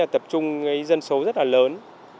tập trung dân số rất là lớn